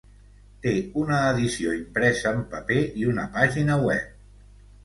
Té una edició impresa en paper i una pàgina web.